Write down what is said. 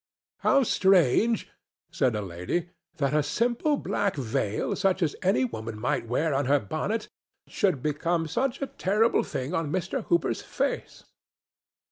"How strange," said a lady, "that a simple black veil, such as any woman might wear on her bonnet, should become such a terrible thing on Mr. Hooper's face!"